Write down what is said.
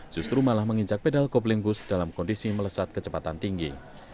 justru malah menginjak pedal kobling bus dalam kondisi melesat kecepatan tinggi